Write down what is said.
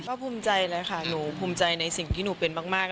ก็ภูมิใจเลยค่ะหนูภูมิใจในสิ่งที่หนูเป็นมาก